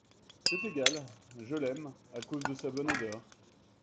C’est égal ! je l’aime… à cause de sa bonne odeur…